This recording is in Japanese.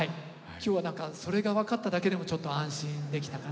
今日は何かそれが分かっただけでもちょっと安心できたかな。